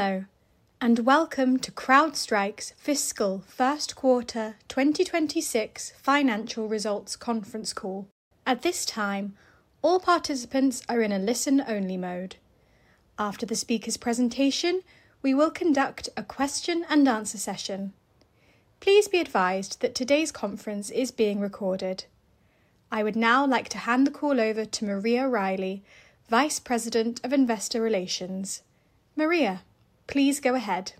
Hello, and welcome to CrowdStrike's Fiscal Q1 2026 Financial Results Conference Call. At this time, all participants are in a listen-only mode. After the speaker's presentation, we will conduct a question-and-answer session. Please be advised that today's conference is being recorded. I would now like to hand the call over to Maria Riley, Vice President of Investor Relations. Maria, please go ahead.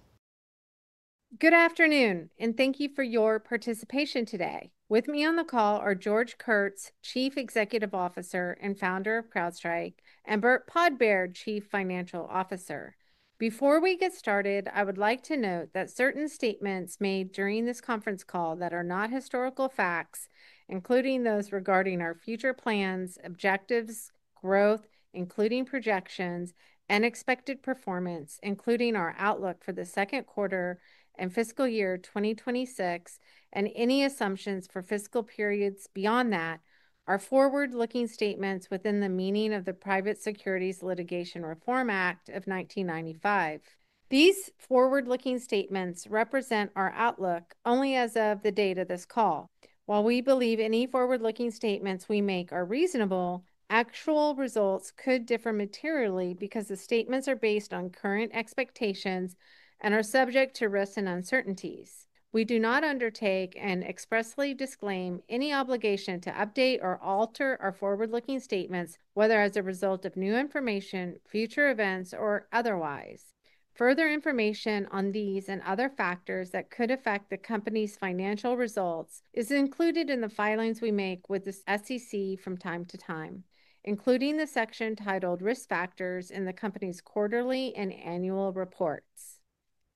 Good afternoon, and thank you for your participation today. With me on the call are George Kurtz, Chief Executive Officer and Founder of CrowdStrike, and Burt Podbere, Chief Financial Officer. Before we get started, I would like to note that certain statements made during this conference call that are not historical facts, including those regarding our future plans, objectives, growth, including projections, and expected performance, including our outlook for the second quarter and fiscal year 2026, and any assumptions for fiscal periods beyond that, are forward-looking statements within the meaning of the Private Securities Litigation Reform Act of 1995. These forward-looking statements represent our outlook only as of the date of this call. While we believe any forward-looking statements we make are reasonable, actual results could differ materially because the statements are based on current expectations and are subject to risks and uncertainties. We do not undertake and expressly disclaim any obligation to update or alter our forward-looking statements, whether as a result of new information, future events, or otherwise. Further information on these and other factors that could affect the company's financial results is included in the filings we make with the SEC from time to time, including the section titled Risk Factors in the company's quarterly and annual reports.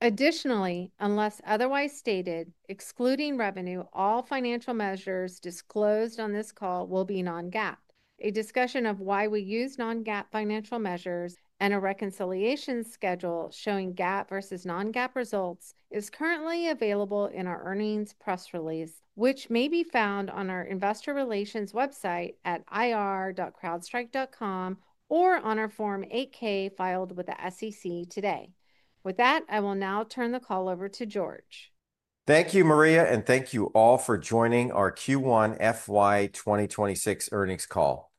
Additionally, unless otherwise stated, excluding revenue, all financial measures disclosed on this call will be non-GAAP. A discussion of why we use non-GAAP financial measures and a reconciliation schedule showing GAAP versus non-GAAP results is currently available in our earnings press release, which may be found on our Investor Relations website at ir.crowdstrike.com or on our Form 8K filed with the SEC today. With that, I will now turn the call over to George. Thank you, Maria, and thank you all for joining our Q1 FY 2026 earnings call.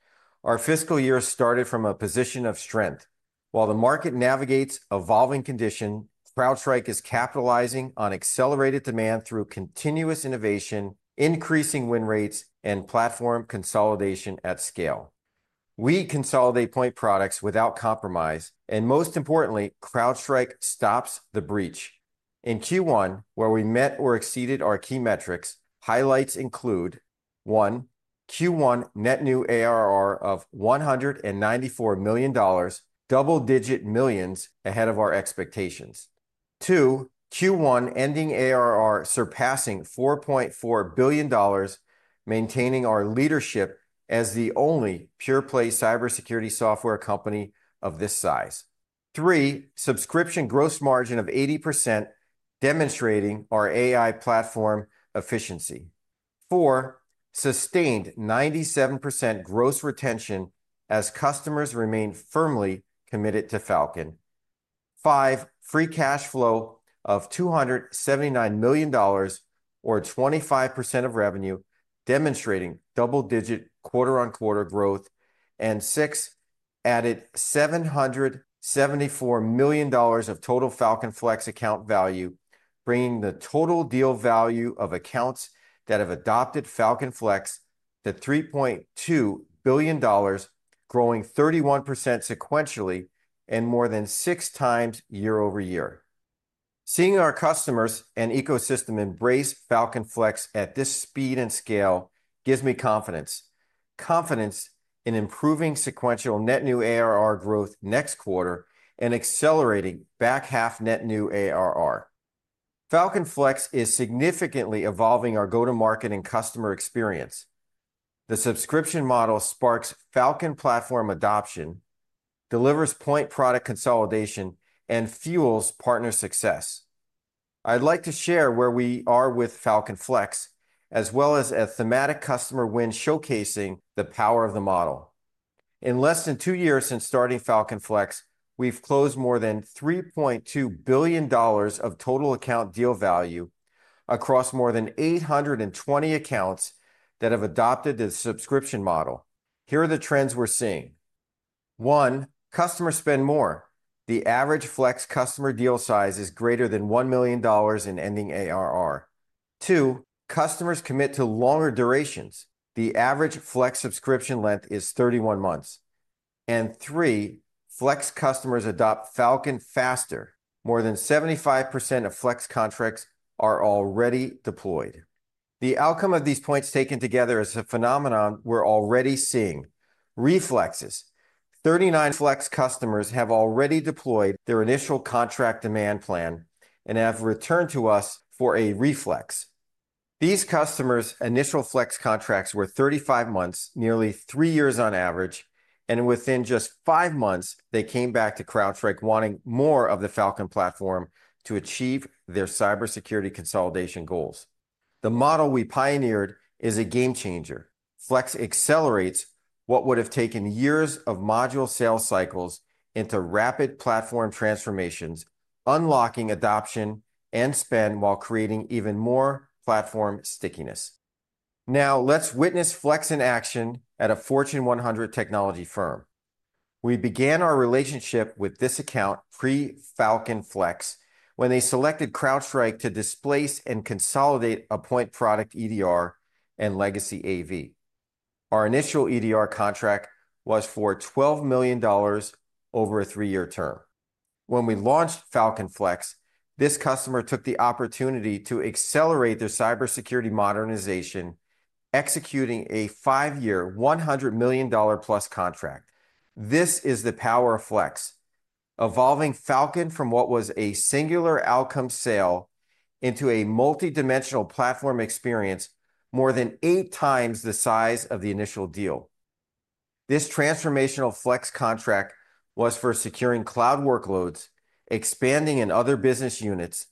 Our fiscal year started from a position of strength. While the market navigates evolving conditions, CrowdStrike is capitalizing on accelerated demand through continuous innovation, increasing win rates, and platform consolidation at scale. We consolidate point products without compromise, and most importantly, CrowdStrike stops the breach. In Q1, where we met or exceeded our key metrics, highlights include: 1. Q1 net new ARR of $194 million, double-digit millions ahead of our expectations. 2. Q1 ending ARR surpassing $4.4 billion, maintaining our leadership as the only pure-play cybersecurity software company of this size. 3. Subscription gross margin of 80%, demonstrating our AI platform efficiency. 4. Sustained 97% gross retention as customers remain firmly committed to Falcon. 5. Free cash flow of $279 million, or 25% of revenue, demonstrating double-digit quarter-on-quarter growth. And 6. Added $774 million of total Falcon Flex account value, bringing the total deal value of accounts that have adopted Falcon Flex to $3.2 billion, growing 31% sequentially and more than six times year over year. Seeing our customers and ecosystem embrace Falcon Flex at this speed and scale gives me confidence, confidence in improving sequential net new ARR growth next quarter and accelerating back-half net new ARR. Falcon Flex is significantly evolving our go-to-market and customer experience. The subscription model sparks Falcon platform adoption, delivers point product consolidation, and fuels partner success. I'd like to share where we are with Falcon Flex, as well as a thematic customer win showcasing the power of the model. In less than two years since starting Falcon Flex, we've closed more than $3.2 billion of total account deal value across more than 820 accounts that have adopted the subscription model. Here are the trends we're seeing: 1. Customers spend more. The average Flex customer deal size is greater than $1 million in ending ARR. 2. Customers commit to longer durations. The average Flex subscription length is 31 months. 3. Flex customers adopt Falcon faster. More than 75% of Flex contracts are already deployed. The outcome of these points taken together is a phenomenon we're already seeing. Reflexes: 39% of Flex customers have already deployed their initial contract demand plan and have returned to us for a reflex. These customers' initial Flex contracts were 35 months, nearly three years on average, and within just five months, they came back to CrowdStrike wanting more of the Falcon platform to achieve their cybersecurity consolidation goals. The model we pioneered is a game changer. Flex accelerates what would have taken years of module sales cycles into rapid platform transformations, unlocking adoption and spend while creating even more platform stickiness. Now, let's witness Flex in action at a Fortune 100 technology firm. We began our relationship with this account pre-Falcon Flex when they selected CrowdStrike to displace and consolidate a point product EDR and legacy AV. Our initial EDR contract was for $12 million over a three-year term. When we launched Falcon Flex, this customer took the opportunity to accelerate their cybersecurity modernization, executing a five-year, $100 million-plus contract. This is the power of Flex: evolving Falcon from what was a singular outcome sale into a multidimensional platform experience more than eight times the size of the initial deal. This transformational Flex contract was for securing cloud workloads, expanding in other business units,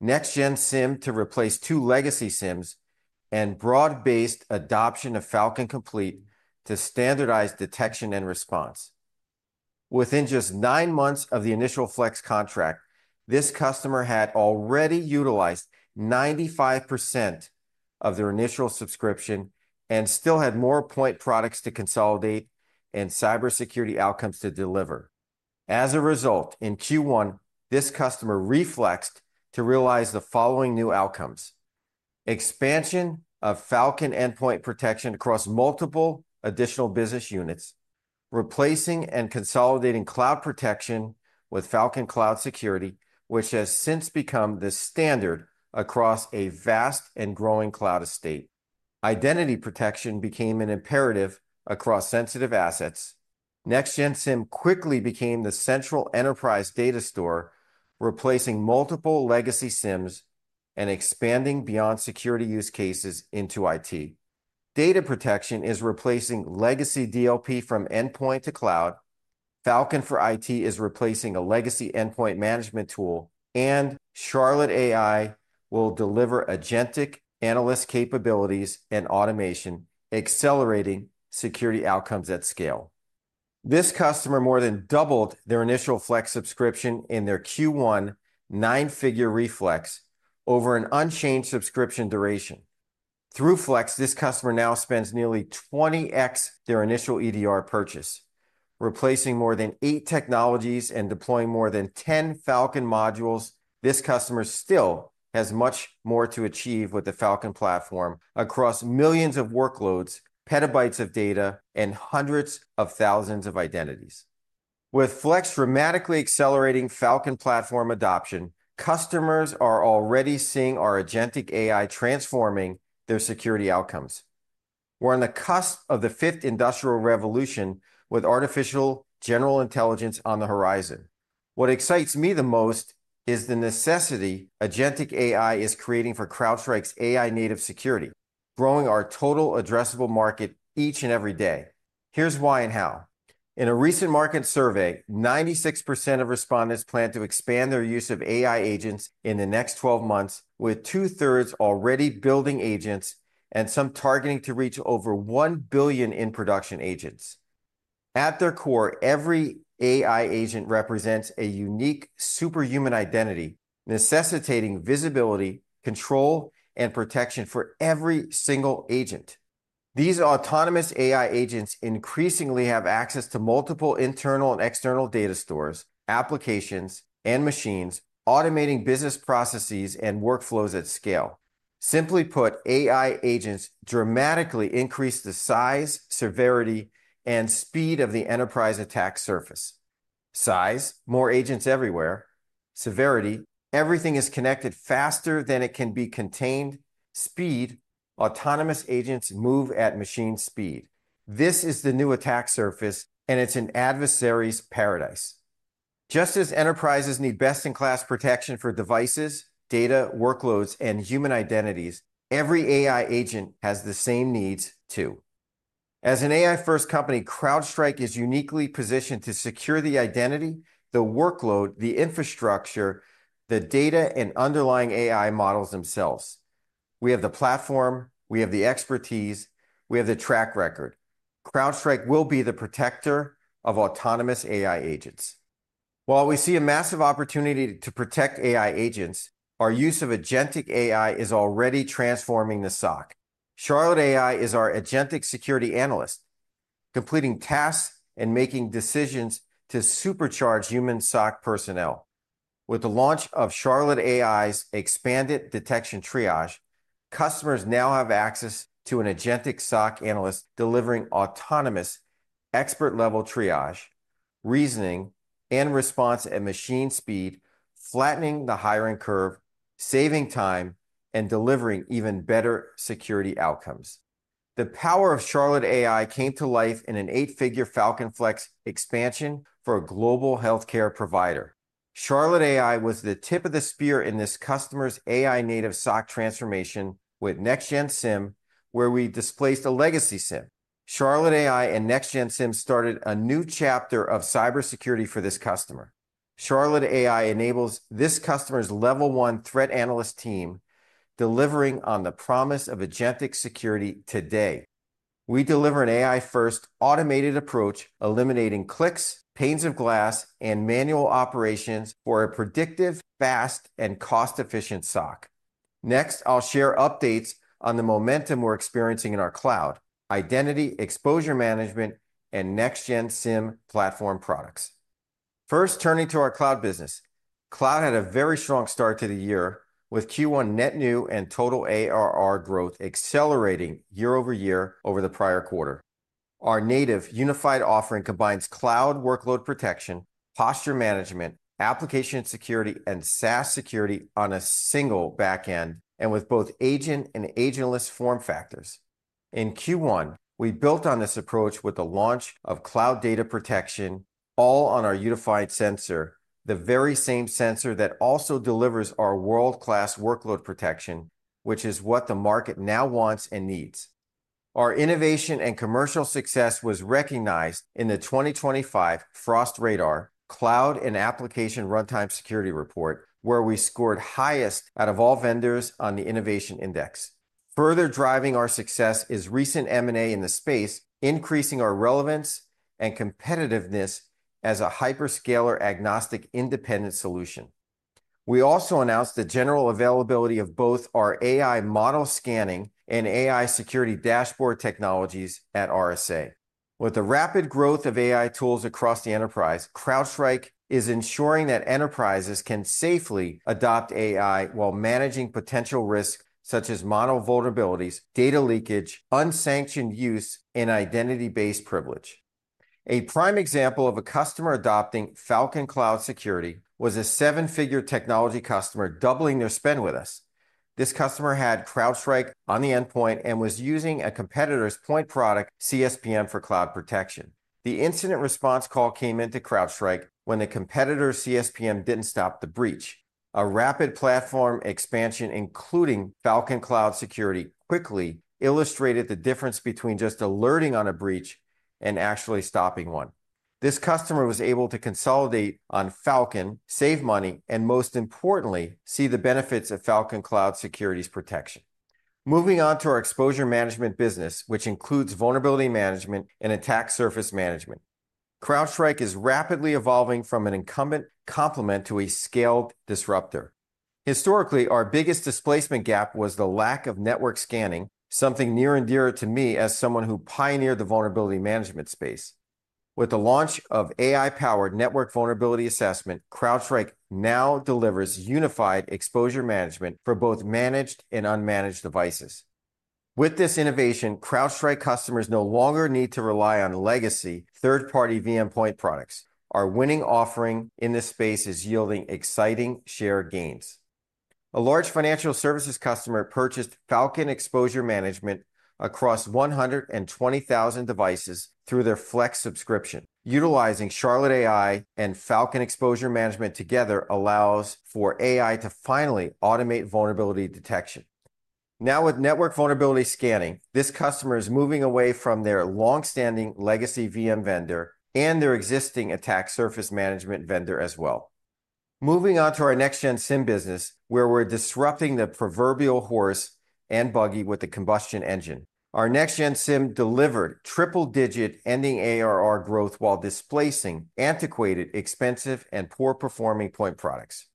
next-gen SIEM to replace two legacy SIEMs, and broad-based adoption of Falcon Complete to standardize detection and response. Within just nine months of the initial Flex contract, this customer had already utilized 95% of their initial subscription and still had more point products to consolidate and cybersecurity outcomes to deliver. As a result, in Q1, this customer reflexed to realize the following new outcomes: expansion of Falcon endpoint protection across multiple additional business units, replacing and consolidating cloud protection with Falcon Cloud Security, which has since become the standard across a vast and growing cloud estate. Identity protection became an imperative across sensitive assets. Next-gen SIEM quickly became the central enterprise data store, replacing multiple legacy SIEMs and expanding beyond security use cases into IT. Data protection is replacing legacy DLP from endpoint to cloud. Falcon for IT is replacing a legacy endpoint management tool, and Charlotte AI will deliver agentic analyst capabilities and automation, accelerating security outcomes at scale. This customer more than doubled their initial Flex subscription in their Q1 nine-figure Flex over an unchanged subscription duration. Through Flex, this customer now spends nearly 20X their initial EDR purchase, replacing more than eight technologies and deploying more than 10 Falcon modules. This customer still has much more to achieve with the Falcon platform across millions of workloads, petabytes of data, and hundreds of thousands of identities. With Flex dramatically accelerating Falcon platform adoption, customers are already seeing our agentic AI transforming their security outcomes. We're on the cusp of the fifth industrial revolution with artificial general intelligence on the horizon. What excites me the most is the necessity agentic AI is creating for CrowdStrike's AI-native security, growing our total addressable market each and every day. Here's why and how. In a recent market survey, 96% of respondents plan to expand their use of AI agents in the next 12 months, with two-thirds already building agents and some targeting to reach over 1 billion in production agents. At their core, every AI agent represents a unique superhuman identity, necessitating visibility, control, and protection for every single agent. These autonomous AI agents increasingly have access to multiple internal and external data stores, applications, and machines, automating business processes and workflows at scale. Simply put, AI agents dramatically increase the size, severity, and speed of the enterprise attack surface. Size: more agents everywhere. Severity: everything is connected faster than it can be contained. Speed: autonomous agents move at machine speed. This is the new attack surface, and it's an adversary's paradise. Just as enterprises need best-in-class protection for devices, data, workloads, and human identities, every AI agent has the same needs, too. As an AI-first company, CrowdStrike is uniquely positioned to secure the identity, the workload, the infrastructure, the data, and underlying AI models themselves. We have the platform. We have the expertise. We have the track record. CrowdStrike will be the protector of autonomous AI agents. While we see a massive opportunity to protect AI agents, our use of agentic AI is already transforming the SOC. Charlotte AI is our agentic security analyst, completing tasks and making decisions to supercharge human SOC personnel. With the launch of Charlotte AI's expanded detection triage, customers now have access to an agentic SOC analyst delivering autonomous expert-level triage, reasoning, and response at machine speed, flattening the hiring curve, saving time, and delivering even better security outcomes. The power of Charlotte AI came to life in an eight-figure Falcon Flex expansion for a global healthcare provider. Charlotte AI was the tip of the spear in this customer's AI-native SOC transformation with next-gen SIEM, where we displaced a legacy SIEM. Charlotte AI and next-gen SIEM started a new chapter of cybersecurity for this customer. Charlotte AI enables this customer's level one threat analyst team, delivering on the promise of agentic security today. We deliver an AI-first automated approach, eliminating clicks, panes of glass, and manual operations for a predictive, fast, and cost-efficient SOC. Next, I'll share updates on the momentum we're experiencing in our cloud, identity exposure management, and next-gen SIEM platform products. First, turning to our cloud business. Cloud had a very strong start to the year with Q1 net new and total ARR growth accelerating year-over-year over the prior quarter. Our native unified offering combines cloud workload protection, posture management, application security, and SaaS security on a single backend and with both agent and agentless form factors. In Q1, we built on this approach with the launch of cloud data protection, all on our unified sensor, the very same sensor that also delivers our world-class workload protection, which is what the market now wants and needs. Our innovation and commercial success was recognized in the 2025 Frost Radar Cloud and Application Runtime Security Report, where we scored highest out of all vendors on the innovation index. Further driving our success is recent M&A in the space, increasing our relevance and competitiveness as a hyperscaler-agnostic independent solution. We also announced the general availability of both our AI model scanning and AI security dashboard technologies at RSA. With the rapid growth of AI tools across the enterprise, CrowdStrike is ensuring that enterprises can safely adopt AI while managing potential risks such as model vulnerabilities, data leakage, unsanctioned use, and identity-based privilege. A prime example of a customer adopting Falcon Cloud Security was a seven-figure technology customer doubling their spend with us. This customer had CrowdStrike on the endpoint and was using a competitor's point product, CSPM for Cloud Protection. The incident response call came into CrowdStrike when the competitor's CSPM did not stop the breach. A rapid platform expansion, including Falcon Cloud Security, quickly illustrated the difference between just alerting on a breach and actually stopping one. This customer was able to consolidate on Falcon, save money, and most importantly, see the benefits of Falcon Cloud Security's protection. Moving on to our exposure management business, which includes vulnerability management and attack surface management, CrowdStrike is rapidly evolving from an incumbent complement to a scaled disruptor. Historically, our biggest displacement gap was the lack of network scanning, something near and dear to me as someone who pioneered the vulnerability management space. With the launch of AI-powered network vulnerability assessment, CrowdStrike now delivers unified exposure management for both managed and unmanaged devices. With this innovation, CrowdStrike customers no longer need to rely on legacy third-party VM point products. Our winning offering in this space is yielding exciting share gains. A large financial services customer purchased Falcon Exposure Management across 120,000 devices through their Flex subscription. Utilizing Charlotte AI and Falcon Exposure Management together allows for AI to finally automate vulnerability detection. Now, with network vulnerability scanning, this customer is moving away from their long-standing legacy VM vendor and their existing attack surface management vendor as well. Moving on to our Next-Gen SIEM business, where we're disrupting the proverbial horse and buggy with the combustion engine. Our Next-Gen SIEM delivered triple-digit ending ARR growth while displacing antiquated, expensive, and poor-performing point products.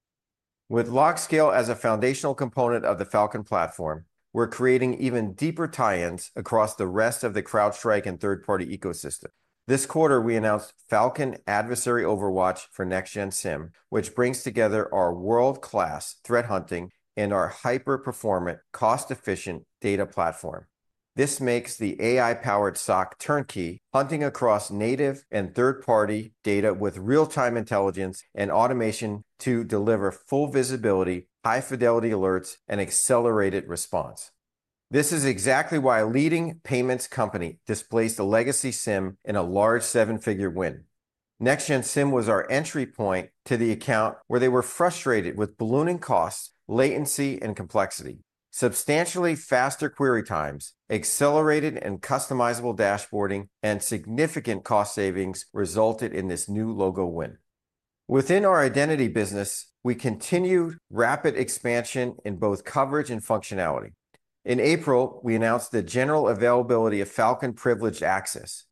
With LogScale as a foundational component of the Falcon platform, we're creating even deeper tie-ins across the rest of the CrowdStrike and third-party ecosystem. This quarter, we announced Falcon Adversary OverWatch for Next-Gen SIEM, which brings together our world-class threat hunting and our hyper-performant, cost-efficient data platform. This makes the AI-powered SOC turnkey, hunting across native and third-party data with real-time intelligence and automation to deliver full visibility, high-fidelity alerts, and accelerated response. This is exactly why a leading payments company displaced a legacy SIEM in a large seven-figure win. Next-Gen SIEM was our entry point to the account where they were frustrated with ballooning costs, latency, and complexity. Substantially faster query times, accelerated and customizable dashboarding, and significant cost savings resulted in this new logo win. Within our identity business, we continue rapid expansion in both coverage and functionality. In April, we announced the general availability of Falcon Privileged Access.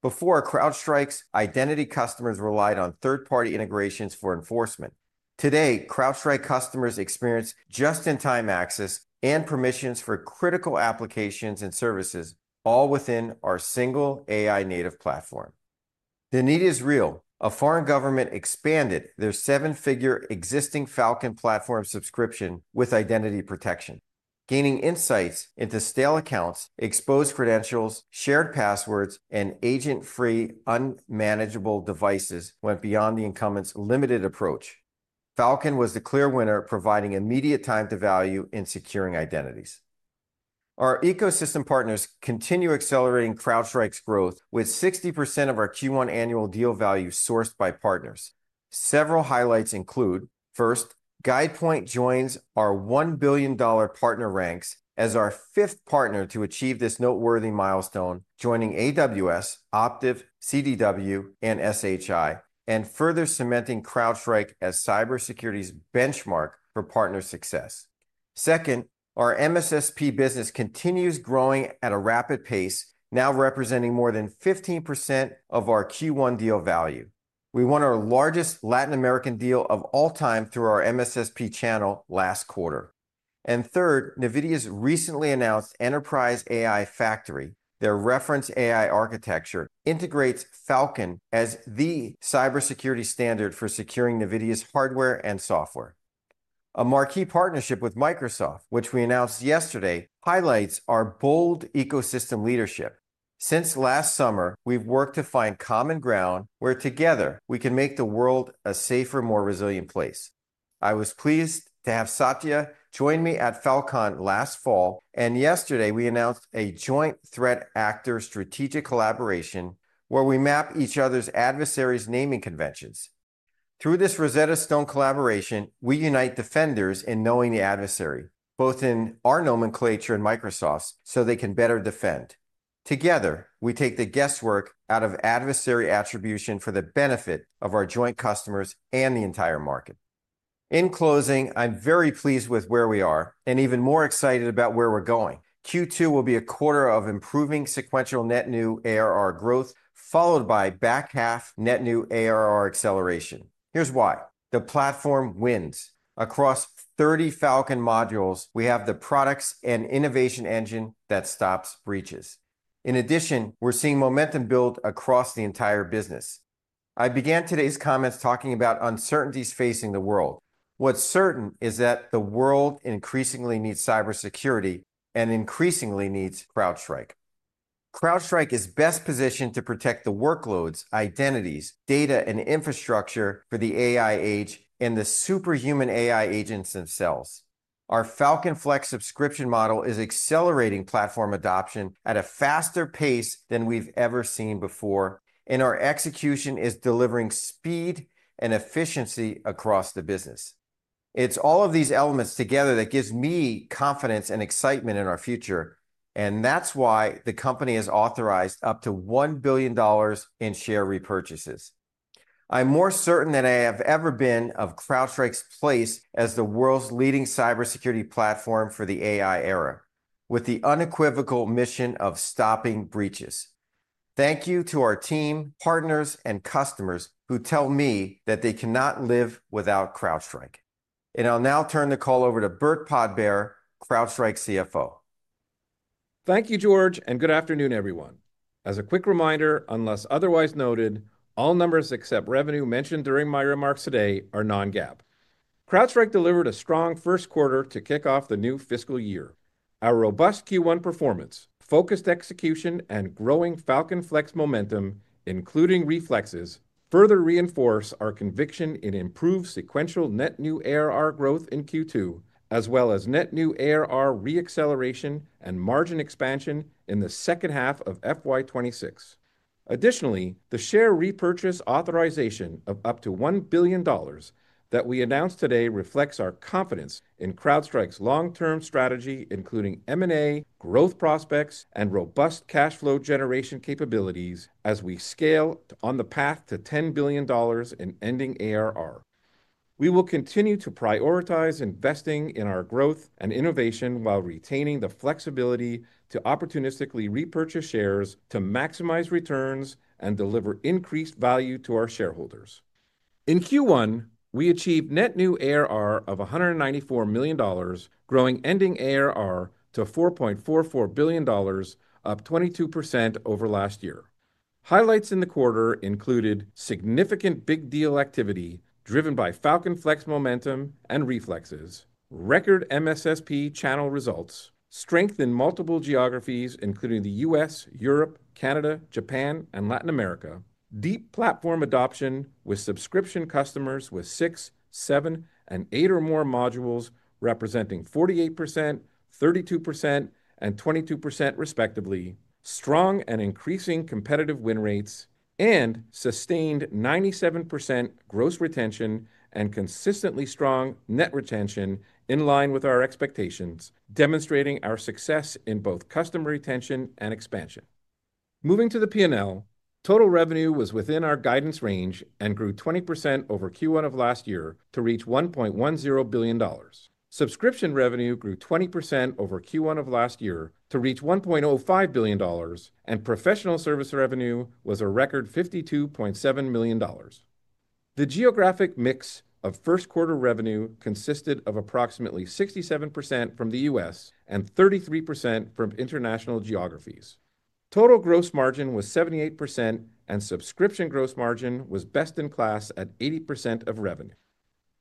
Before, CrowdStrike's identity customers relied on third-party integrations for enforcement. Today, CrowdStrike customers experience just-in-time access and permissions for critical applications and services, all within our single AI-native platform. The need is real. A foreign government expanded their seven-figure existing Falcon platform subscription with identity protection, gaining insights into stale accounts, exposed credentials, shared passwords, and agent-free unmanageable devices went beyond the incumbent's limited approach. Falcon was the clear winner, providing immediate time to value in securing identities. Our ecosystem partners continue accelerating CrowdStrike's growth with 60% of our Q1 annual deal value sourced by partners. Several highlights include: first, GuidePoint joins our $1 billion partner ranks as our fifth partner to achieve this noteworthy milestone, joining AWS, Optiv, CDW, and SHI, and further cementing CrowdStrike as cybersecurity's benchmark for partner success. Second, our MSSP business continues growing at a rapid pace, now representing more than 15% of our Q1 deal value. We won our largest Latin American deal of all time through our MSSP channel last quarter. Third, NVIDIA's recently announced Enterprise AI Factory, their reference AI architecture, integrates Falcon as the cybersecurity standard for securing NVIDIA's hardware and software. A marquee partnership with Microsoft, which we announced yesterday, highlights our bold ecosystem leadership. Since last summer, we've worked to find common ground where together we can make the world a safer, more resilient place. I was pleased to have Satya join me at Falcon last fall, and yesterday we announced a joint threat actor strategic collaboration where we map each other's adversaries' naming conventions. Through this Rosetta Stone collaboration, we unite defenders in knowing the adversary, both in our nomenclature and Microsoft's, so they can better defend. Together, we take the guesswork out of adversary attribution for the benefit of our joint customers and the entire market. In closing, I'm very pleased with where we are and even more excited about where we're going. Q2 will be a quarter of improving sequential net new ARR growth, followed by back half net new ARR acceleration. Here's why: the platform wins. Across 30 Falcon modules, we have the products and innovation engine that stops breaches. In addition, we're seeing momentum build across the entire business. I began today's comments talking about uncertainties facing the world. What's certain is that the world increasingly needs cybersecurity and increasingly needs CrowdStrike. CrowdStrike is best positioned to protect the workloads, identities, data, and infrastructure for the AI age and the superhuman AI agents themselves. Our Falcon Flex subscription model is accelerating platform adoption at a faster pace than we've ever seen before, and our execution is delivering speed and efficiency across the business. It's all of these elements together that gives me confidence and excitement in our future, and that's why the company has authorized up to $1 billion in share repurchases. I'm more certain than I have ever been of CrowdStrike's place as the world's leading cybersecurity platform for the AI era, with the unequivocal mission of stopping breaches. Thank you to our team, partners, and customers who tell me that they cannot live without CrowdStrike. I will now turn the call over to Burt Podbere, CrowdStrike CFO. Thank you, George, and good afternoon, everyone. As a quick reminder, unless otherwise noted, all numbers except revenue mentioned during my remarks today are non-GAAP. CrowdStrike delivered a strong first quarter to kick off the new fiscal year. Our robust Q1 performance, focused execution, and growing Falcon Flex momentum, including reflexes, further reinforce our conviction in improved sequential net new ARR growth in Q2, as well as net new ARR re-acceleration and margin expansion in the second half of 2026. Additionally, the share repurchase authorization of up to $1 billion that we announced today reflects our confidence in CrowdStrike's long-term strategy, including M&A, growth prospects, and robust cash flow generation capabilities as we scale on the path to $10 billion in ending ARR. We will continue to prioritize investing in our growth and innovation while retaining the flexibility to opportunistically repurchase shares to maximize returns and deliver increased value to our shareholders. In Q1, we achieved net new ARR of $194 million, growing ending ARR to $4.44 billion, up 22% over last year. Highlights in the quarter included significant big deal activity driven by Falcon Flex momentum and reflexes, record MSSP channel results, strength in multiple geographies including the US, Europe, Canada, Japan, and Latin America, deep platform adoption with subscription customers with six, seven, and eight or more modules representing 48%, 32%, and 22% respectively, strong and increasing competitive win rates, and sustained 97% gross retention and consistently strong net retention in line with our expectations, demonstrating our success in both customer retention and expansion. Moving to the P&L, total revenue was within our guidance range and grew 20% over Q1 of last year to reach $1.10 billion. Subscription revenue grew 20% over Q1 of last year to reach $1.05 billion, and professional service revenue was a record $52.7 million. The geographic mix of first quarter revenue consisted of approximately 67% from the US and 33% from international geographies. Total gross margin was 78%, and subscription gross margin was best in class at 80% of revenue.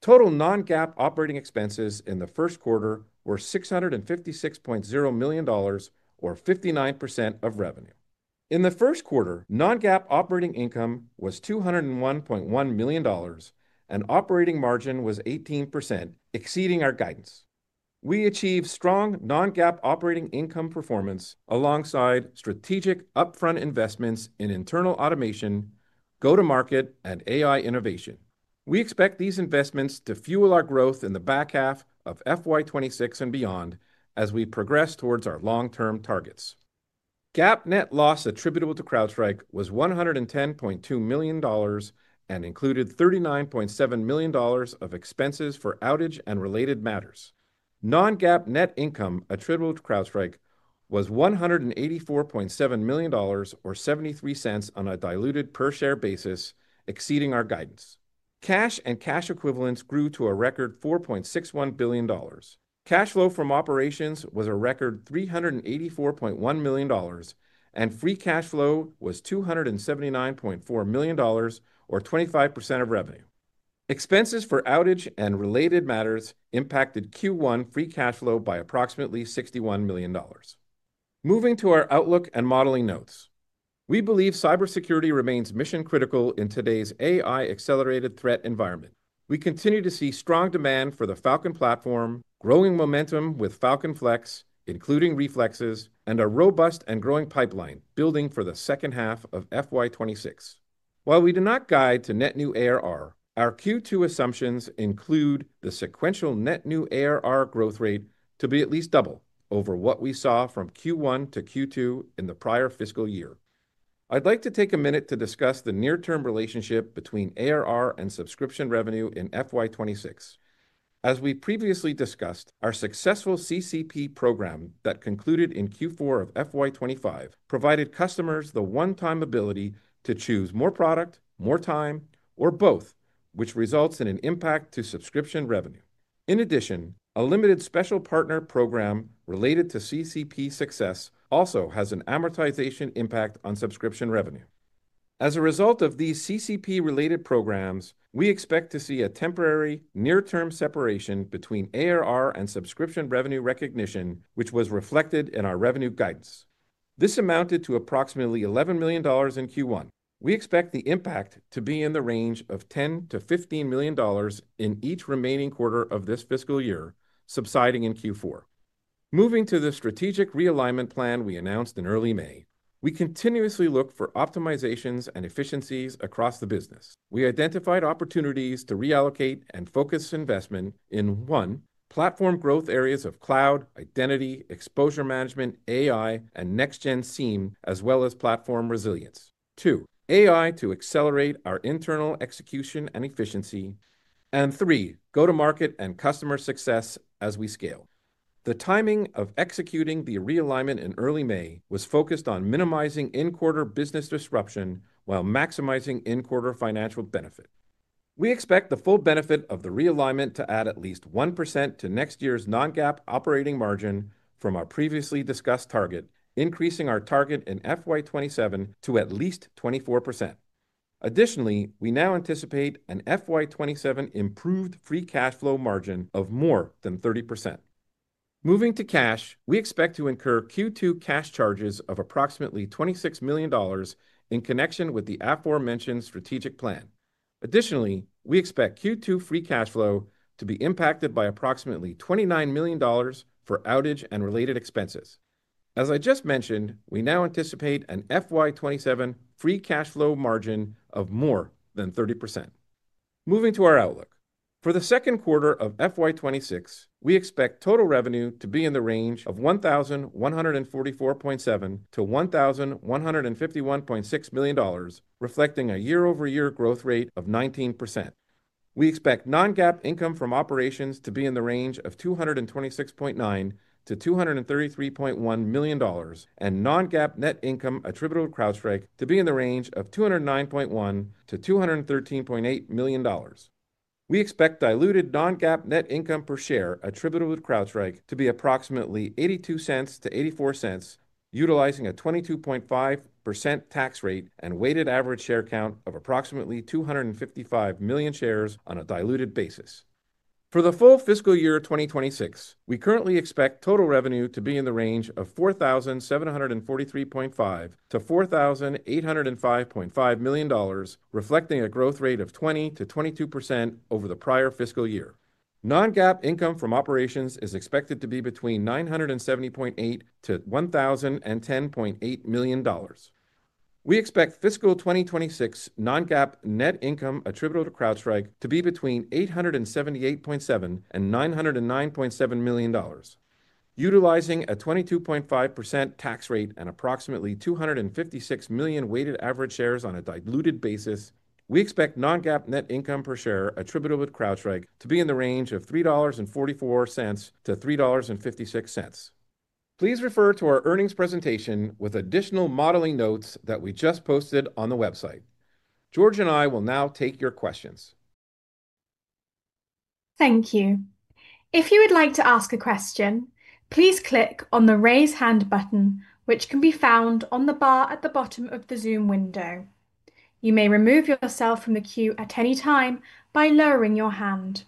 Total non-GAAP operating expenses in the first quarter were $656.0 million, or 59% of revenue. In the first quarter, non-GAAP operating income was $201.1 million, and operating margin was 18%, exceeding our guidance. We achieved strong non-GAAP operating income performance alongside strategic upfront investments in internal automation, go-to-market, and AI innovation. We expect these investments to fuel our growth in the back half of FY2026 and beyond as we progress towards our long-term targets. GAAP net loss attributable to CrowdStrike was $110.2 million and included $39.7 million of expenses for outage and related matters. Non-GAAP net income attributable to CrowdStrike was $184.7 million, or $0.73 on a diluted per-share basis, exceeding our guidance. Cash and cash equivalents grew to a record $4.61 billion. Cash flow from operations was a record $384.1 million, and free cash flow was $279.4 million, or 25% of revenue. Expenses for outage and related matters impacted Q1 free cash flow by approximately $61 million. Moving to our outlook and modeling notes, we believe cybersecurity remains mission-critical in today's AI-accelerated threat environment. We continue to see strong demand for the Falcon platform, growing momentum with Falcon Flex, including reflexes, and a robust and growing pipeline building for the second half of FY2026. While we do not guide to net new ARR, our Q2 assumptions include the sequential net new ARR growth rate to be at least double over what we saw from Q1 to Q2 in the prior fiscal year. I'd like to take a minute to discuss the near-term relationship between ARR and subscription revenue in FY2026. As we previously discussed, our successful CCP program that concluded in Q4 of FY25 provided customers the one-time ability to choose more product, more time, or both, which results in an impact to subscription revenue. In addition, a limited special partner program related to CCP success also has an amortization impact on subscription revenue. As a result of these CCP-related programs, we expect to see a temporary near-term separation between ARR and subscription revenue recognition, which was reflected in our revenue guidance. This amounted to approximately $11 million in Q1. We expect the impact to be in the range of $10-$15 million in each remaining quarter of this fiscal year, subsiding in Q4. Moving to the strategic realignment plan we announced in early May, we continuously look for optimizations and efficiencies across the business. We identified opportunities to reallocate and focus investment in: one, platform growth areas of cloud, identity, exposure management, AI, and next-gen SIEM, as well as platform resilience; two, AI to accelerate our internal execution and efficiency; and three, go-to-market and customer success as we scale. The timing of executing the realignment in early May was focused on minimizing in-quarter business disruption while maximizing in-quarter financial benefit. We expect the full benefit of the realignment to add at least 1% to next year's non-GAAP operating margin from our previously discussed target, increasing our target in FY2027 to at least 24%. Additionally, we now anticipate an FY2027 improved free cash flow margin of more than 30%. Moving to cash, we expect to incur Q2 cash charges of approximately $26 million in connection with the aforementioned strategic plan. Additionally, we expect Q2 free cash flow to be impacted by approximately $29 million for outage and related expenses. As I just mentioned, we now anticipate an FY27 free cash flow margin of more than 30%. Moving to our outlook. For the second quarter of FY26, we expect total revenue to be in the range of $1,144.7-$1,151.6 million, reflecting a year-over-year growth rate of 19%. We expect non-GAAP income from operations to be in the range of $226.9-$233.1 million and non-GAAP net income attributable to CrowdStrike to be in the range of $209.1-$213.8 million. We expect diluted non-GAAP net income per share attributable to CrowdStrike to be approximately $0.82-$0.84, utilizing a 22.5% tax rate and weighted average share count of approximately 255 million shares on a diluted basis. For the full fiscal year 2026, we currently expect total revenue to be in the range of $4,743.5-$4,805.5 million, reflecting a growth rate of 20%-22% over the prior fiscal year. Non-GAAP income from operations is expected to be between $970.8-$1,010.8 million. We expect fiscal 2026 non-GAAP net income attributable to CrowdStrike to be between $878.7 and $909.7 million. Utilizing a 22.5% tax rate and approximately 256 million weighted average shares on a diluted basis, we expect non-GAAP net income per share attributable to CrowdStrike to be in the range of $3.44-$3.56. Please refer to our earnings presentation with additional modeling notes that we just posted on the website. George and I will now take your questions. Thank you. If you would like to ask a question, please click on the raise hand button, which can be found on the bar at the bottom of the Zoom window. You may remove yourself from the queue at any time by lowering your hand.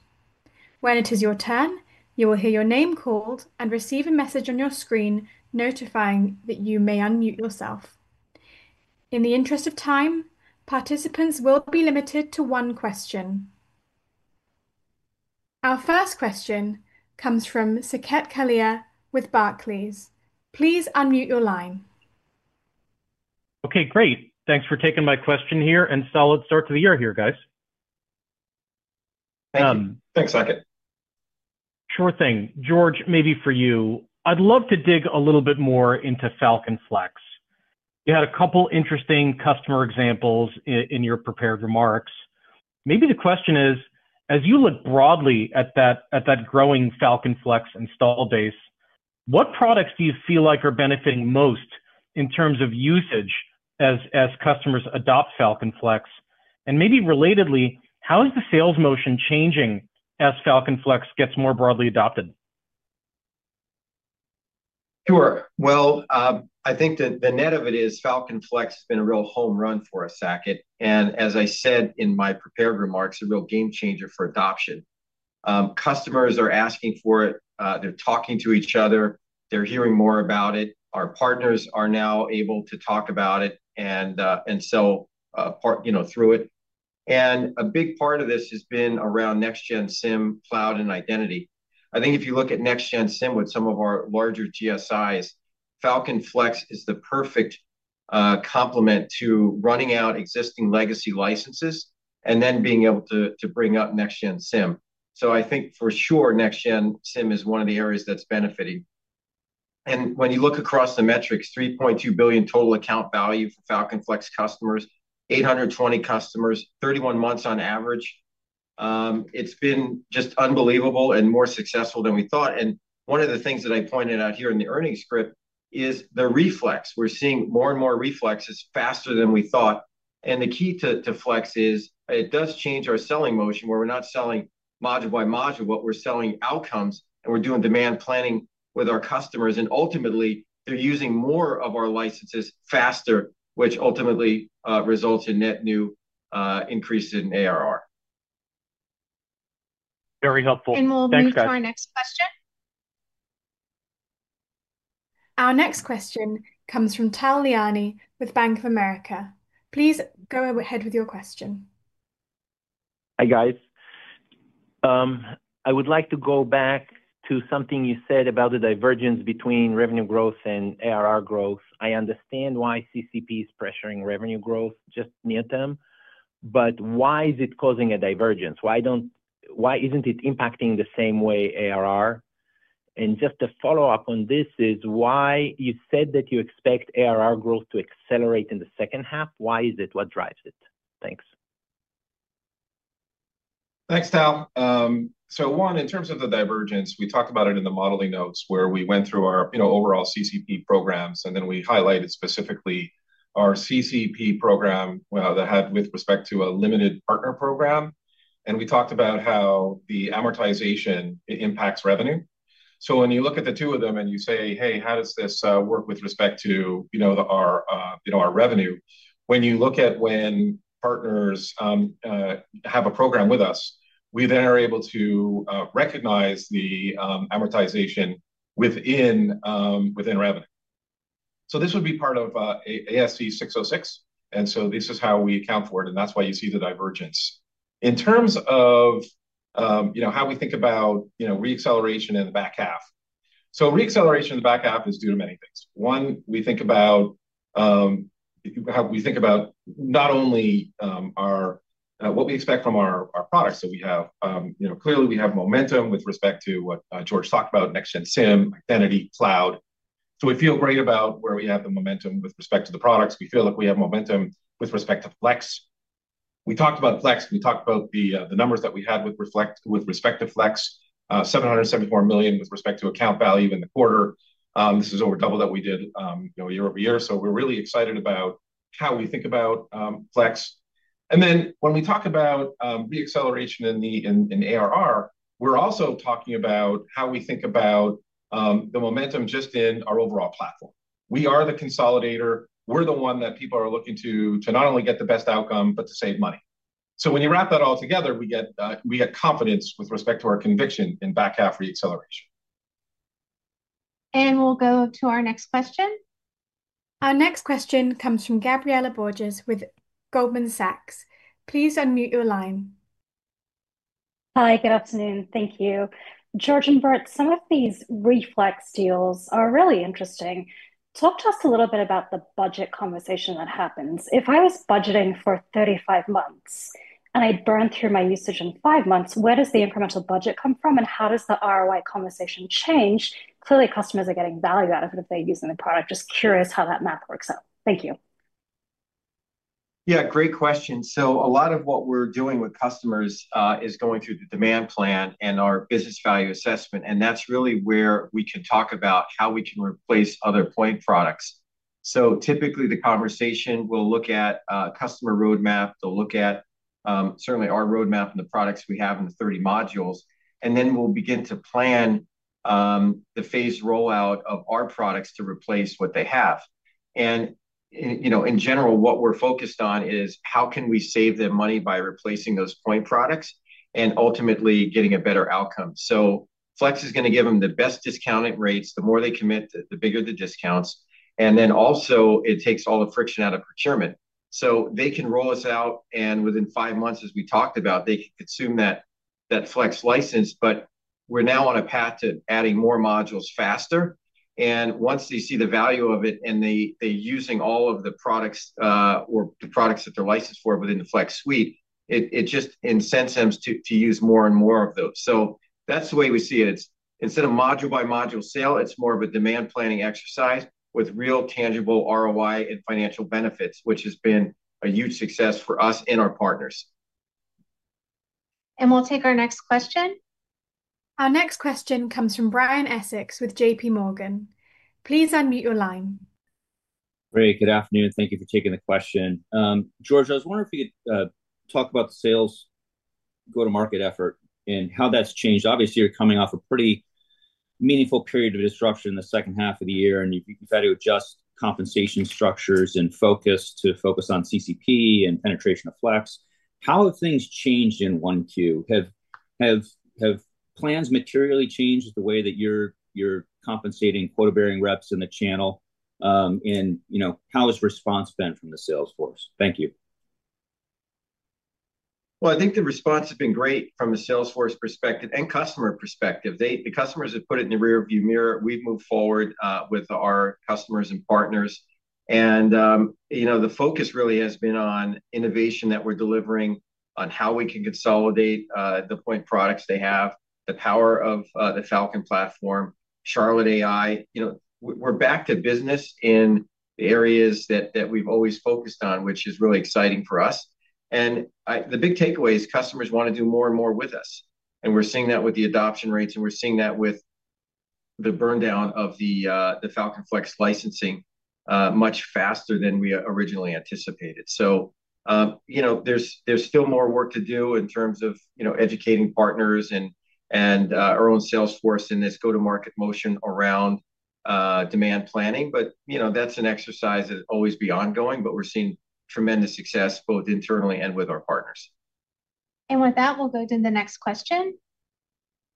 When it is your turn, you will hear your name called and receive a message on your screen notifying that you may unmute yourself. In the interest of time, participants will be limited to one question. Our first question comes from Saket Kalia with Barclays. Please unmute your line. Okay, great. Thanks for taking my question here, and solid start to the year here, guys. Thank you. Thanks, Saket. Sure thing. George, maybe for you, I'd love to dig a little bit more into Falcon Flex. You had a couple interesting customer examples in your prepared remarks. Maybe the question is, as you look broadly at that growing Falcon Flex install base, what products do you feel like are benefiting most in terms of usage as customers adopt Falcon Flex? And maybe relatedly, how is the sales motion changing as Falcon Flex gets more broadly adopted? Sure. I think the net of it is Falcon Flex has been a real home run for us, Saket. As I said in my prepared remarks, a real game changer for adoption. Customers are asking for it. They're talking to each other. They're hearing more about it. Our partners are now able to talk about it and sell through it. A big part of this has been around next-gen SIEM, cloud, and identity. I think if you look at next-gen SIEM with some of our larger GSIs, Falcon Flex is the perfect complement to running out existing legacy licenses and then being able to bring up next-gen SIEM. I think for sure next-gen SIEM is one of the areas that's benefiting. When you look across the metrics, $3.2 billion total account value for Falcon Flex customers, 820 customers, 31 months on average. It's been just unbelievable and more successful than we thought. One of the things that I pointed out here in the earnings script is the reflex. We're seeing more and more reflexes faster than we thought. The key to Flex is it does change our selling motion where we're not selling module by module, but we're selling outcomes and we're doing demand planning with our customers. Ultimately, they're using more of our licenses faster, which ultimately results in net new increases in ARR. Very helpful. Thanks, guys. We'll move to our next question. Our next question comes from Tal Liani with Bank of America. Please go ahead with your question. Hi, guys. I would like to go back to something you said about the divergence between revenue growth and ARR growth. I understand why CCP is pressuring revenue growth just near them, but why is it causing a divergence? Why isn't it impacting the same way ARR? Just to follow up on this is why you said that you expect ARR growth to accelerate in the second half. Why is it? What drives it? Thanks. Thanks, Tal. One, in terms of the divergence, we talked about it in the modeling notes where we went through our overall CCP programs, and then we highlighted specifically our CCP program that had with respect to a limited partner program. We talked about how the amortization impacts revenue. When you look at the two of them and you say, "Hey, how does this work with respect to our revenue?" When partners have a program with us, we then are able to recognize the amortization within revenue. This would be part of ASC 606. This is how we account for it, and that's why you see the divergence. In terms of how we think about reacceleration in the back half, reacceleration in the back half is due to many things. One, we think about how we think about not only what we expect from our products. We have, clearly, we have momentum with respect to what George talked about, next-gen SIEM, identity, cloud. We feel great about where we have the momentum with respect to the products. We feel like we have momentum with respect to Flex. We talked about Flex. We talked about the numbers that we had with respect to Flex, $774 million with respect to account value in the quarter. This is over double what we did year-over-year. We are really excited about how we think about Flex. When we talk about reacceleration in ARR, we are also talking about how we think about the momentum just in our overall platform. We are the consolidator. We're the one that people are looking to not only get the best outcome, but to save money. When you wrap that all together, we get confidence with respect to our conviction in back half reacceleration. We'll go to our next question. Our next question comes from Gabriela Borges with Goldman Sachs. Please unmute your line. Hi, good afternoon. Thank you. George and Burt, some of these reflex deals are really interesting. Talk to us a little bit about the budget conversation that happens. If I was budgeting for 35 months and I burn through my usage in five months, where does the incremental budget come from and how does the ROI conversation change? Clearly, customers are getting value out of it if they're using the product. Just curious how that map works out. Thank you. Yeah, great question. A lot of what we're doing with customers is going through the demand plan and our business value assessment. That's really where we can talk about how we can replace other point products. Typically, the conversation will look at a customer roadmap. They'll look at certainly our roadmap and the products we have in the 30 modules. Then we'll begin to plan the phase rollout of our products to replace what they have. In general, what we're focused on is how we can save them money by replacing those point products and ultimately getting a better outcome. Flex is going to give them the best discounted rates. The more they commit, the bigger the discounts. It also takes all the friction out of procurement. They can roll us out, and within five months, as we talked about, they can consume that Flex license. We are now on a path to adding more modules faster. Once they see the value of it and they are using all of the products or the products that they are licensed for within the Flex suite, it just incents them to use more and more of those. That is the way we see it. Instead of module by module sale, it is more of a demand planning exercise with real tangible ROI and financial benefits, which has been a huge success for us and our partners. We will take our next question. Our next question comes from Brian Essex with JPMorgan. Please unmute your line. Great. Good afternoon. Thank you for taking the question. George, I was wondering if you could talk about the sales go-to-market effort and how that's changed. Obviously, you're coming off a pretty meaningful period of disruption in the second half of the year, and you've had to adjust compensation structures and focus to focus on CCP and penetration of Flex. How have things changed in Q1? Have plans materially changed the way that you're compensating quota-bearing reps in the channel? How has response been from the sales force? Thank you. I think the response has been great from a sales force perspective and customer perspective. The customers have put it in the rearview mirror. We've moved forward with our customers and partners. The focus really has been on innovation that we're delivering on how we can consolidate the point products they have, the power of the Falcon platform, Charlotte AI. We're back to business in the areas that we've always focused on, which is really exciting for us. The big takeaway is customers want to do more and more with us. We're seeing that with the adoption rates, and we're seeing that with the burndown of the Falcon Flex licensing much faster than we originally anticipated. There is still more work to do in terms of educating partners and our own sales force in this go-to-market motion around demand planning. That's an exercise that will always be ongoing, but we're seeing tremendous success both internally and with our partners. With that, we'll go to the next question.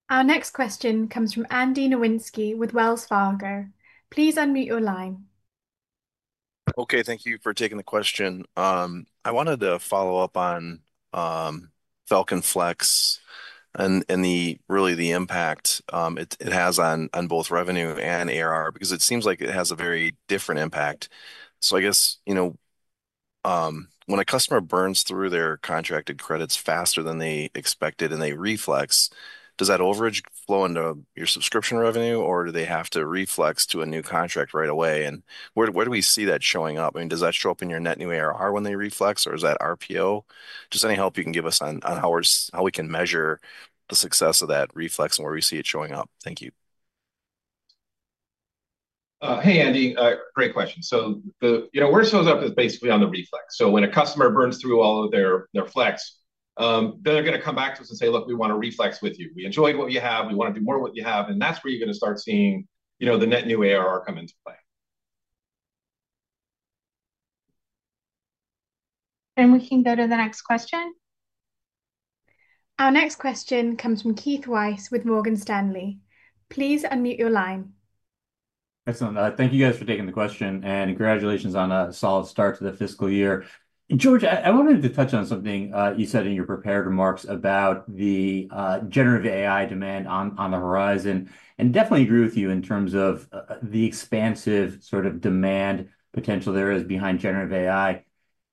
Our next question comes from Andy Nowinski with Wells Fargo. Please unmute your line. Okay, thank you for taking the question. I wanted to follow up on Falcon Flex and really the impact it has on both revenue and ARR because it seems like it has a very different impact. I guess when a customer burns through their contracted credits faster than they expected and they reflex, does that overage flow into your subscription revenue, or do they have to reflex to a new contract right away? Where do we see that showing up? I mean, does that show up in your net new ARR when they reflex, or is that RPO? Just any help you can give us on how we can measure the success of that reflex and where we see it showing up? Thank you. Hey, Andy. Great question. Where it shows up is basically on the reflex. When a customer burns through all of their Flex, then they're going to come back to us and say, "Look, we want to reflex with you. We enjoyed what you have. We want to do more of what you have." That's where you're going to start seeing the net new ARR come into play. We can go to the next question. Our next question comes from Keith Weiss with Morgan Stanley. Please unmute your line. Excellent. Thank you guys for taking the question, and congratulations on a solid start to the fiscal year. George, I wanted to touch on something you said in your prepared remarks about the generative AI demand on the horizon. I definitely agree with you in terms of the expansive sort of demand potential there is behind generative AI.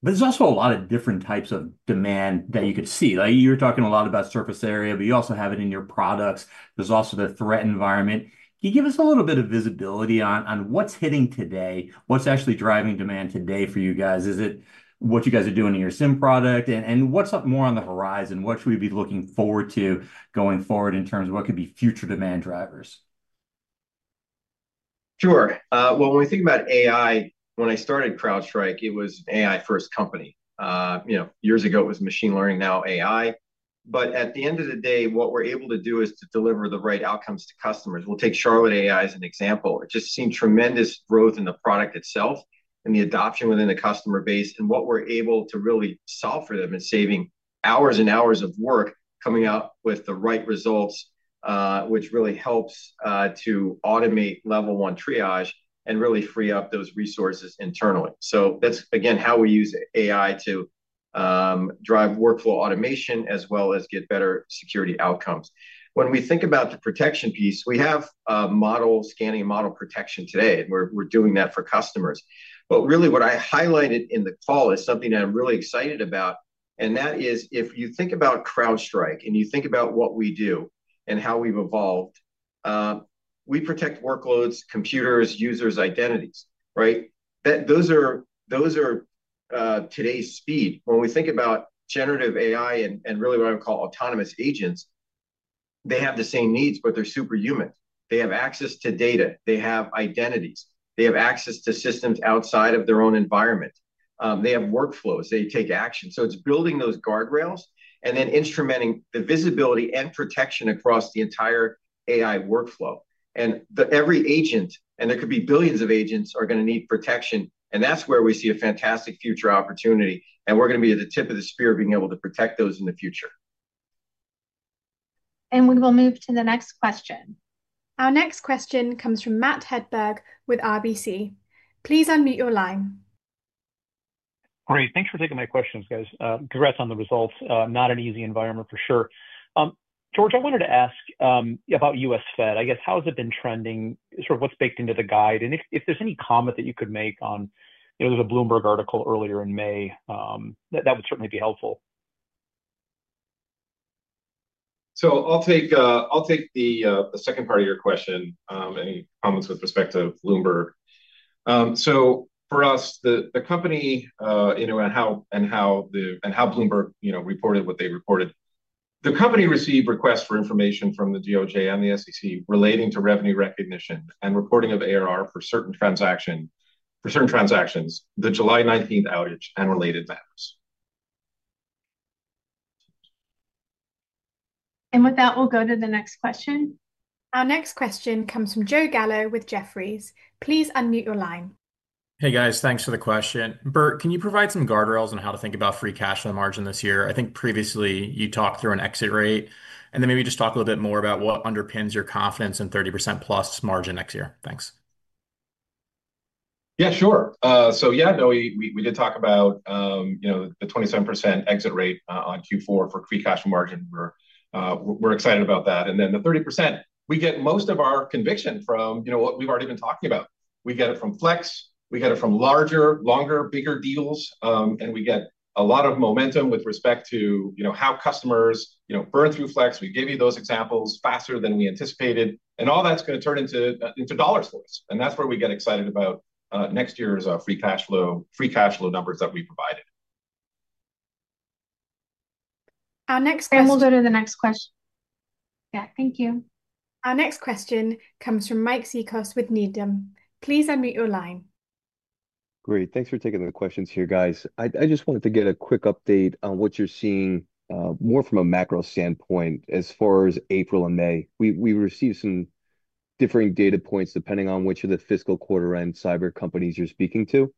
There's also a lot of different types of demand that you could see. You were talking a lot about surface area, but you also have it in your products. There's also the threat environment. Can you give us a little bit of visibility on what's hitting today? What's actually driving demand today for you guys? Is it what you guys are doing in your SIEM product? What's more on the horizon? What should we be looking forward to going forward in terms of what could be future demand drivers? Sure. When we think about AI, when I started CrowdStrike, it was an AI-first company. Years ago, it was machine learning, now AI. At the end of the day, what we're able to do is to deliver the right outcomes to customers. We'll take Charlotte AI as an example. It has just seen tremendous growth in the product itself and the adoption within the customer base. What we're able to really solve for them is saving hours and hours of work, coming out with the right results, which really helps to automate level one triage and really free up those resources internally. That is, again, how we use AI to drive workflow automation as well as get better security outcomes. When we think about the protection piece, we have model scanning, model protection today. We're doing that for customers. What I highlighted in the call is something that I'm really excited about. That is, if you think about CrowdStrike and you think about what we do and how we've evolved, we protect workloads, computers, users, identities, right? Those are today's speed. When we think about generative AI and really what I would call autonomous agents, they have the same needs, but they're superhuman. They have access to data. They have identities. They have access to systems outside of their own environment. They have workflows. They take action. It is building those guardrails and then instrumenting the visibility and protection across the entire AI workflow. Every agent, and there could be billions of agents, are going to need protection. That is where we see a fantastic future opportunity. We are going to be at the tip of the spear of being able to protect those in the future. We will move to the next question. Our next question comes from Matt Hedberg with RBC. Please unmute your line. Great. Thanks for taking my questions, guys. Congrats on the results. Not an easy environment, for sure. George, I wanted to ask about US Fed. I guess how has it been trending? Sort of what is baked into the guide? If there's any comment that you could make on, there was a Bloomberg article earlier in May. That would certainly be helpful. I'll take the second part of your question, any comments with respect to Bloomberg. For us, the company and how Bloomberg reported what they reported, the company received requests for information from the DOJ and the SEC relating to revenue recognition and reporting of ARR for certain transactions, the July 19th outage and related matters. With that, we'll go to the next question. Our next question comes from Joe Gallo with Jefferies. Please unmute your line. Hey, guys. Thanks for the question. Burt, can you provide some guardrails on how to think about free cash on the margin this year? I think previously you talked through an exit rate. Maybe just talk a little bit more about what underpins your confidence in 30%+ margin next year. Thanks. Yeah, sure. Yeah, no, we did talk about the 27% exit rate on Q4 for free cash margin. We're excited about that. The 30%, we get most of our conviction from what we've already been talking about. We get it from Flex. We get it from larger, longer, bigger deals. We get a lot of momentum with respect to how customers burn through Flex. We gave you those examples faster than we anticipated. All that's going to turn into dollars for us. That's where we get excited about next year's free cash flow numbers that we provided. Our next question. We'll go to the next question. Yeah, thank you. Our next question comes from Mike Cikos with Needham. Please unmute your line. Great. Thanks for taking the questions here, guys. I just wanted to get a quick update on what you're seeing more from a macro standpoint as far as April and May. We receive some differing data points depending on which of the fiscal quarter-end cyber companies you're speaking to.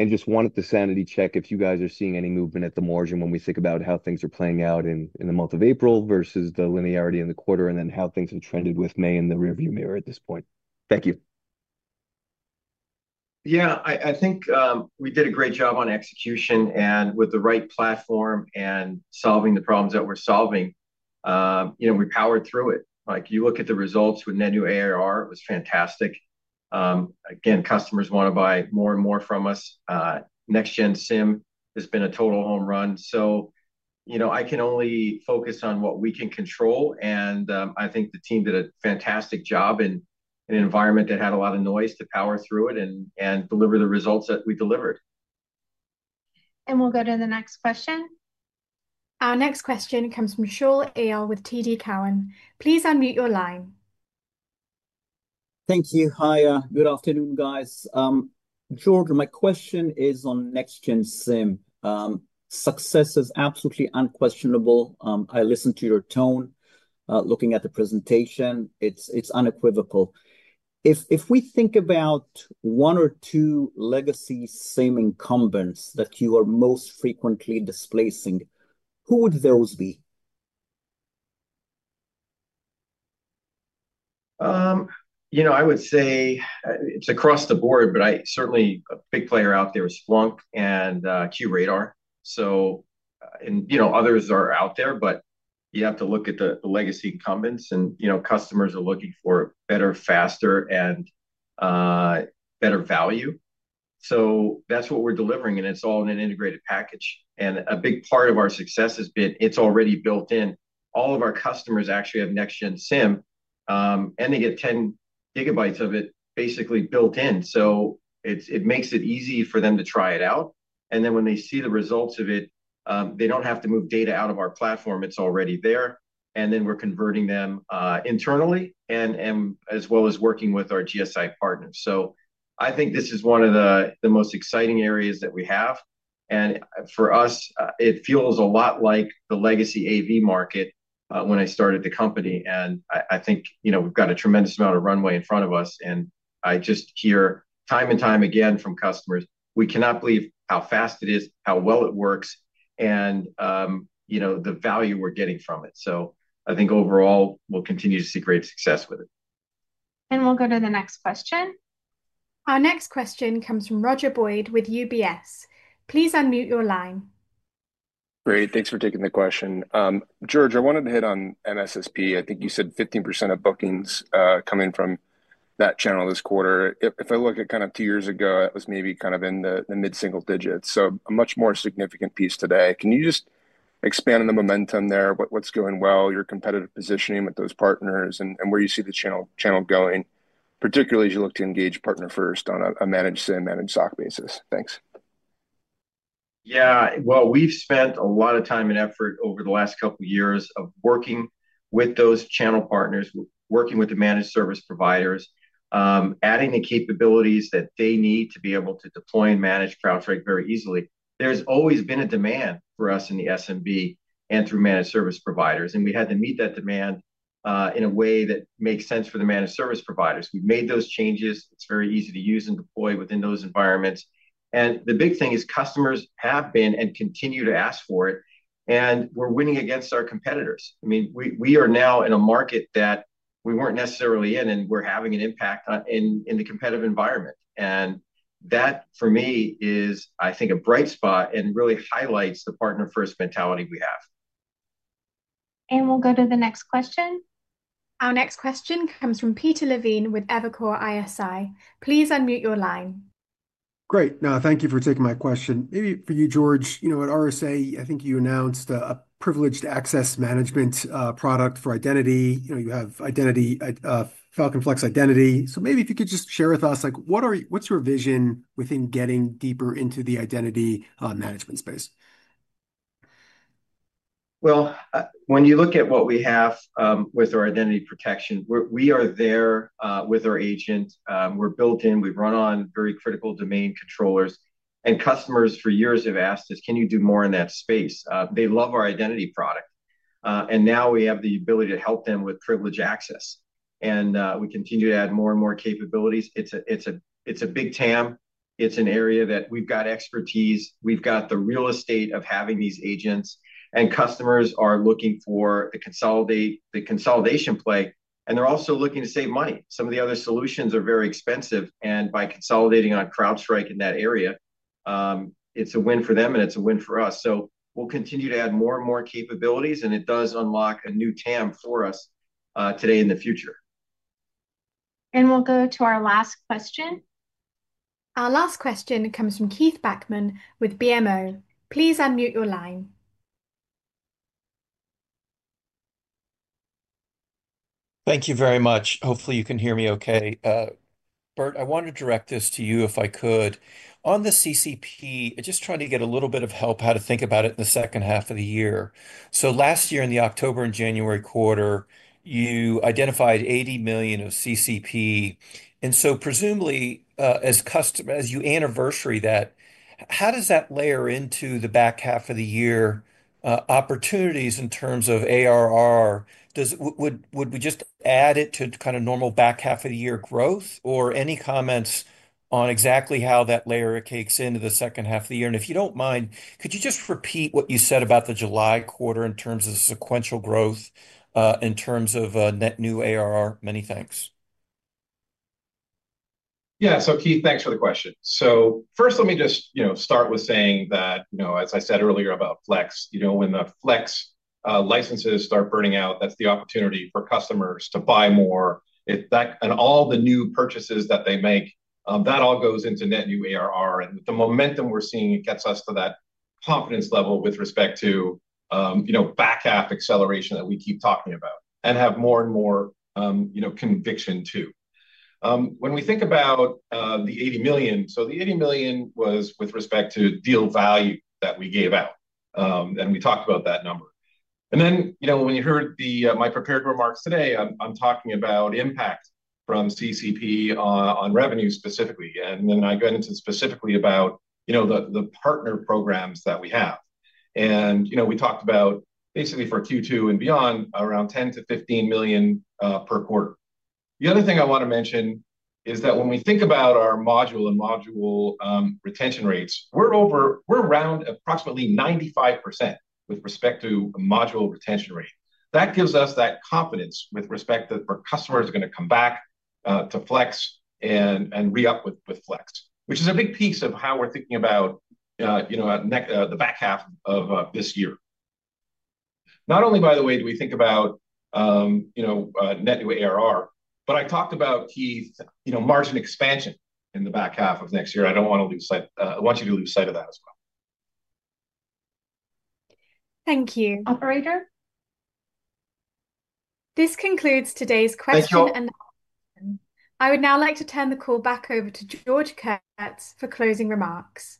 I just wanted to sanity check if you guys are seeing any movement at the margin when we think about how things are playing out in the month of April versus the linearity in the quarter and then how things have trended with May in the rearview mirror at this point. Thank you. Yeah, I think we did a great job on execution and with the right platform and solving the problems that we're solving. We powered through it. You look at the results with net new ARR. It was fantastic. Again, customers want to buy more and more from us. Next-Gen SIEM has been a total home run. I can only focus on what we can control. I think the team did a fantastic job in an environment that had a lot of noise to power through it and deliver the results that we delivered. We'll go to the next question. Our next question comes from Shaul Eyal with TD Cowen. Please unmute your line. Thank you. Hi, good afternoon, guys. George, my question is on Next-Gen SIEM. Success is absolutely unquestionable. I listened to your tone. Looking at the presentation, it's unequivocal. If we think about one or two legacy SIEM incumbents that you are most frequently displacing, who would those be? I would say it's across the board, but certainly a big player out there is Splunk and QRadar. Others are out there, but you have to look at the legacy incumbents. Customers are looking for better, faster, and better value. That is what we are delivering. It is all in an integrated package. A big part of our success has been it is already built in. All of our customers actually have Next-Gen SIEM, and they get 10 gigabytes of it basically built in. It makes it easy for them to try it out. When they see the results of it, they do not have to move data out of our platform. It is already there. We are converting them internally as well as working with our GSI partners. I think this is one of the most exciting areas that we have. For us, it feels a lot like the legacy AV market when I started the company. I think we have got a tremendous amount of runway in front of us. I just hear time and time again from customers, "We cannot believe how fast it is, how well it works, and the value we're getting from it." I think overall, we'll continue to see great success with it. We'll go to the next question. Our next question comes from Roger Boyd with UBS. Please unmute your line. Great. Thanks for taking the question. George, I wanted to hit on MSSP. I think you said 15% of bookings coming from that channel this quarter. If I look at kind of two years ago, it was maybe kind of in the mid-single digits. A much more significant piece today. Can you just expand on the momentum there? What's going well? Your competitive positioning with those partners and where you see the channel going, particularly as you look to engage partner-first on a managed SIEM, managed SOC basis. Thanks. Yeah. We have spent a lot of time and effort over the last couple of years working with those channel partners, working with the managed service providers, adding the capabilities that they need to be able to deploy and manage CrowdStrike very easily. There has always been a demand for us in the SMB and through managed service providers. We had to meet that demand in a way that makes sense for the managed service providers. We have made those changes. It is very easy to use and deploy within those environments. The big thing is customers have been and continue to ask for it. We are winning against our competitors. I mean, we are now in a market that we were not necessarily in, and we are having an impact in the competitive environment. That, for me, is, I think, a bright spot and really highlights the partner-first mentality we have. We'll go to the next question. Our next question comes from Peter Levine with Evercore ISI. Please unmute your line. Great. No, thank you for taking my question. Maybe for you, George, at RSA, I think you announced a privileged access management product for identity. You have Falcon Flex identity. Maybe if you could just share with us, what's your vision within getting deeper into the identity management space? When you look at what we have with our identity protection, we are there with our agent. We're built in. We run on very critical domain controllers. Customers for years have asked us, "Can you do more in that space?" They love our identity product. Now we have the ability to help them with privileged access. We continue to add more and more capabilities. It's a big TAM. It's an area that we've got expertise. We've got the real estate of having these agents. Customers are looking for the consolidation play. They're also looking to save money. Some of the other solutions are very expensive. By consolidating on CrowdStrike in that area, it's a win for them, and it's a win for us. We will continue to add more and more capabilities. It does unlock a new TAM for us today in the future. We'll go to our last question. Our last question comes from Keith Bachman with BMO. Please unmute your line. Thank you very much. Hopefully, you can hear me okay. Burt, I wanted to direct this to you if I could. On the CCP, I just tried to get a little bit of help how to think about it in the second half of the year. Last year, in the October and January quarter, you identified $80 million of CCP. Presumably, as you anniversary that, how does that layer into the back half of the year opportunities in terms of ARR? Would we just add it to kind of normal back half of the year growth? Any comments on exactly how that layer kicks into the second half of the year? If you do not mind, could you just repeat what you said about the July quarter in terms of sequential growth, in terms of net new ARR? Many thanks. Yeah. Keith, thanks for the question. First, let me just start with saying that, as I said earlier about Flex, when the Flex licenses start burning out, that's the opportunity for customers to buy more. All the new purchases that they make, that all goes into net new ARR. The momentum we're seeing, it gets us to that confidence level with respect to back half acceleration that we keep talking about and have more and more conviction to. When we think about the $80 million, the $80 million was with respect to deal value that we gave out. We talked about that number. Then when you heard my prepared remarks today, I'm talking about impact from CCP on revenue specifically. I got into specifically about the partner programs that we have. We talked about basically for Q2 and beyond, around $10 million-$15 million per quarter. The other thing I want to mention is that when we think about our module and module retention rates, we're around approximately 95% with respect to a module retention rate. That gives us that confidence with respect to our customers are going to come back to Flex and re-up with Flex, which is a big piece of how we're thinking about the back half of this year. Not only, by the way, do we think about net new ARR, but I talked about Keith's margin expansion in the back half of next year. I don't want to lose sight. I want you to lose sight of that as well. Thank you. Operator. This concludes today's question-and-answer. I would now like to turn the call back over to George Kurtz for closing remarks.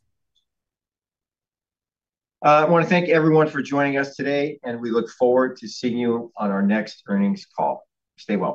I want to thank everyone for joining us today. We look forward to seeing you on our next earnings call. Stay well.